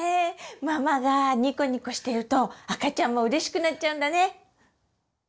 ママがニコニコしていると赤ちゃんもうれしくなっちゃうんだね！